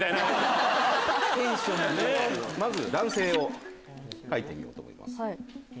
まず男性を描いてみようと思います。